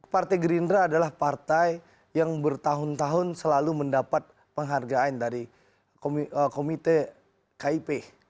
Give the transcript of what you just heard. partai gerindra adalah partai yang bertahun tahun selalu mendapat penghargaan dari komite kip